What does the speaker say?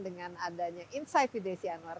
dengan adanya insight with desi anwar